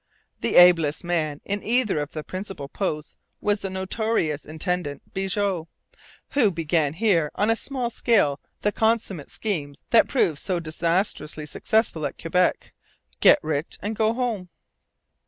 The ablest man in either of the principal posts was the notorious intendant Bigot, who began here on a small scale the consummate schemes that proved so disastrously successful at Quebec. Get rich and go home.